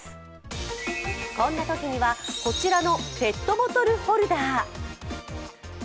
こんなときには、こちらのペットボトルホルダー。